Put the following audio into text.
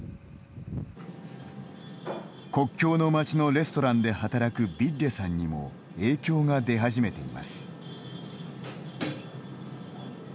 国境の街のレストランで働くヴィッレさんにも影響が出始めています。